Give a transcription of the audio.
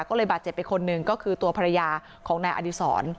ก็เลยบาดเจ็บไปคนหนึ่งก็คือตัวภรรยาของนายอดีศร